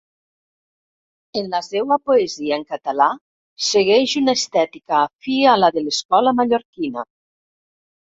En la seua poesia en català segueix una estètica afí a la de l'Escola Mallorquina.